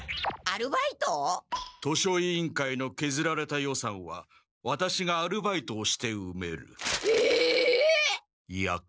図書委員会のけずられた予算はワタシがアルバイトをしてうめる。え！？いやか？